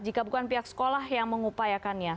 jika bukan pihak sekolah yang mengupayakannya